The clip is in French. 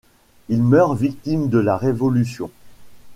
Il meurt victime de la Révolution.